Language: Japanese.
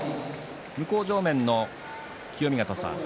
向正面の清見潟さん